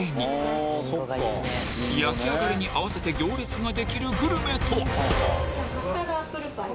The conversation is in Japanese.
焼き上がりに合わせて行列ができるグルメとは？